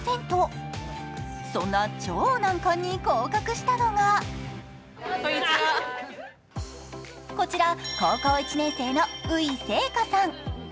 そんな超難関に合格したのがこちら高校１年生の宇井星日さん